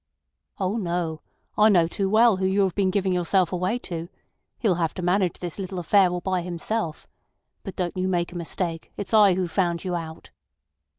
"Oh no! I know too well who you have been giving yourself away to. He'll have to manage this little affair all by himself. But don't you make a mistake, it's I who found you out."